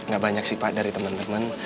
gak banyak sifat dari temen temen